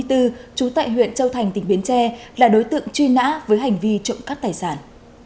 trú tại huyện châu thành tỉnh bến tre là đối tượng truy nã với hành vi trộm cắp tài sản